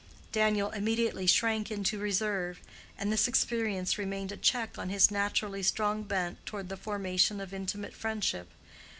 Daniel immediately shrank into reserve, and this experience remained a check on his naturally strong bent toward the formation of intimate friendship.